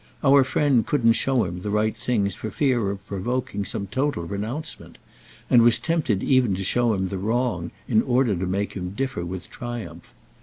Our friend couldn't show him the right things for fear of provoking some total renouncement, and was tempted even to show him the wrong in order to make him differ with triumph.